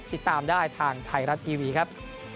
ติดตามได้ทางไทยรัฐทีวีครับ